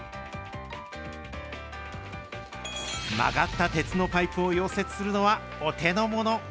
曲がった鉄のパイプを溶接するのはお手の物。